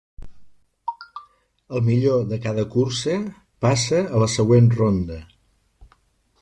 El millor de cada cursa passa a la següent ronda.